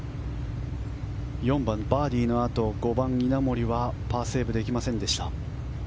４番バーディーのあと５番、稲森はパーセーブできませんでした。